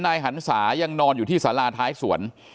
หันศายังนอนอยู่ที่สาราท้ายสวน